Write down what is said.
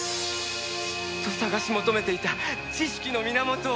ずっと探し求めていた知識の源を！